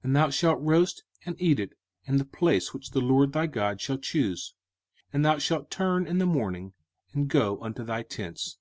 05:016:007 And thou shalt roast and eat it in the place which the LORD thy God shall choose: and thou shalt turn in the morning, and go unto thy tents.